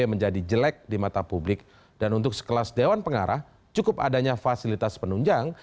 menjadi jelek di mata publik dan untuk sekelas dewan pengarah cukup adanya fasilitas penunjang